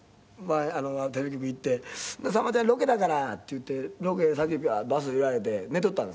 テレビ局行って「じゃあさんまちゃんロケだから」って言ってロケ先バス揺られて寝とったんですよ。